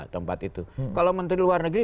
tempat itu kalau menteri luar negeri